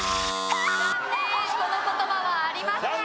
この言葉はありません。